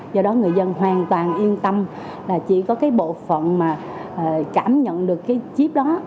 do đó người dân hoàn toàn yên tâm là chỉ có cái bộ phận mà cảm nhận được cái chip đó